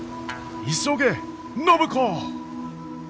急げ暢子！